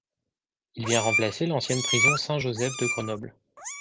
Il vient remplacer l'ancienne prison Saint-Joseph de Grenoble.